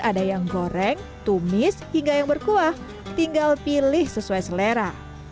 ada yang goreng tumis hingga yang berkuah tinggal pilih sesuai selera